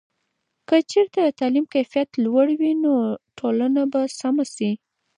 که چېرته د تعلیم کیفیت لوړ وي، نو ټولنه به سمه سي.